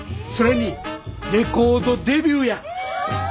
それにレコードデビューや。